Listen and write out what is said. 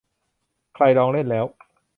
ใครลองเล่นแล้ว